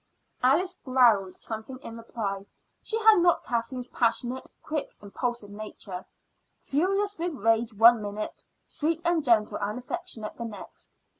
Alice growled something in reply. She had not Kathleen's passionate, quick, impulsive nature furious with rage one minute, sweet and gentle and affectionate the next.